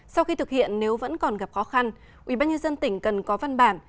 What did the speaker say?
sau khi thực hiện nếu vẫn còn gặp khó khăn ubnd tỉnh cần có văn bản